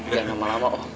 gak lama lama oh